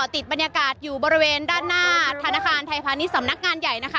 ติดบรรยากาศอยู่บริเวณด้านหน้าธนาคารไทยพาณิชย์สำนักงานใหญ่นะคะ